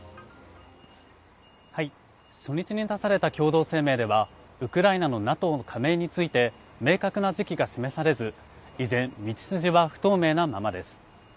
初日に出された共同声明では、ウクライナのＮＡＴＯ加盟について明確な時期が示されず依然、道筋は不透明なままです。